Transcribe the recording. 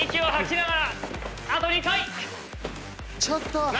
ちょっと。